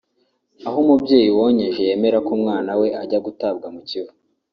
aho umubyeyi wonkeje yemera ko umwana we ajya gutabwa mu Kivu